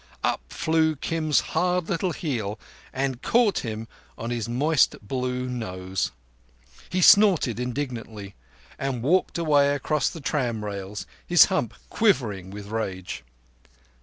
Up flew Kim's hard little heel and caught him on his moist blue nose. He snorted indignantly, and walked away across the tram rails, his hump quivering with rage.